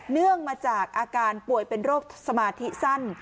เนื่องมาจากอาการป่วยเป็นโรคสมาธิสั้น